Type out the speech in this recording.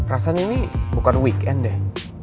rasanya ini bukan weekend deh